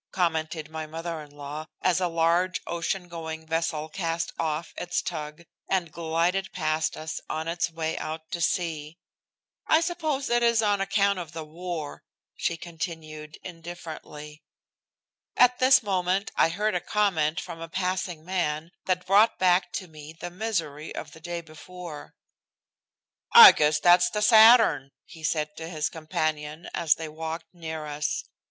commented my mother in law, as a large ocean going vessel cast off its tug and glided past us on its way out to sea. "I suppose it is on account of the war," she continued indifferently. At this moment I heard a comment from a passing man that brought back to me the misery of the day before. "I guess that's the Saturn," he said to his companion as they walked near us.